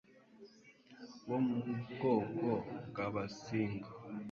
bo mu bwoko bw'Abasinga.